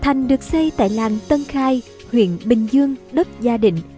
thành được xây tại làng tân khai huyện bình dương đất gia định